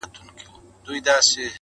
ژوند مې له ګوتې را نيؤلی روان کړی مې دی